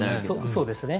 そうですね。